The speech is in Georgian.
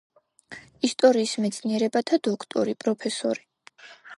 ისტორიის მეცნიერებათა დოქტორი, პროფესორი.